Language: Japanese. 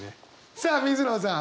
さあ水野さん。